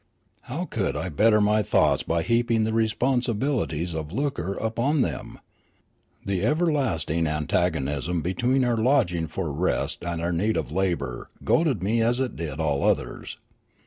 How could I better my thoughts by heaping the responsibilities of lucre upon them ? The everlast ing antagonism between our longing for rest andour need of labour goaded me as it did all others.